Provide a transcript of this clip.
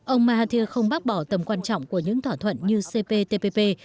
ông mahathir không bác bỏ tầm quan trọng của những thỏa thuận như cptpp